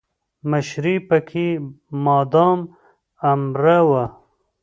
مشري پکې مادام العمر وه.